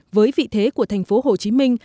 với vị thế của thành phố hồ chí minh